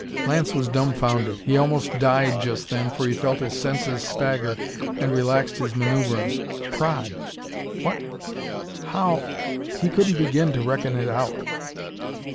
Lance was dumbfounded. He almost died, just then, for he felt his senses stagger, and relaxed his maneuvering. Praed! What how He couldn't begin to reckon it out.